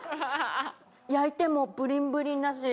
焼いてもブリンブリンだし。